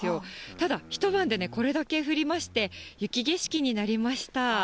ただ、一晩でこれだけ降りまして、雪景色になりました。